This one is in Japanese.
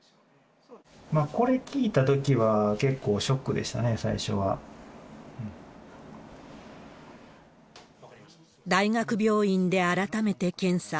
これ聞いたときは、結構ショックでしたね、最初は。大学病院で改めて検査。